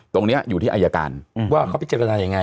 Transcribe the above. ตรงนี้อยู่ที่อายการว่าเขาไปเจอกันอะไรยังไง